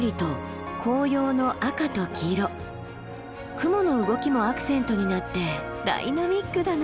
雲の動きもアクセントになってダイナミックだな。